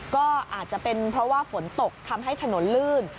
ก็อาจจะเป็นเพราะว่าฝนตกทำให้ถนนลื่น